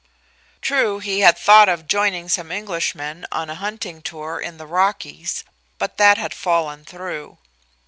True he had thought of joining some Englishmen on a hunting tour in the Rockies, but that had fallen through.